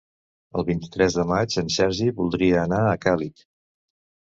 El vint-i-tres de maig en Sergi voldria anar a Càlig.